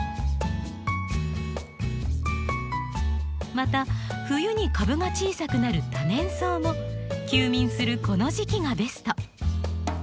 また冬に株が小さくなる多年草も休眠するこの時期がベスト。